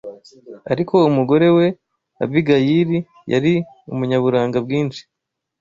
Ariko umugore we Abigayili yari umunyaburanga bwinshi